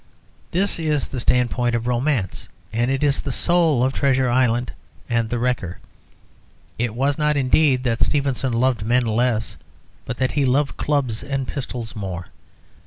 This is the standpoint of romance, and it is the soul of "Treasure Island" and "The Wrecker." It was not, indeed, that Stevenson loved men less, but that he loved clubs and pistols more.